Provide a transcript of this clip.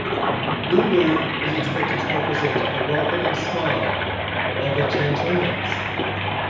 Lulu is expected to represent the welcoming smile of the Changchunans.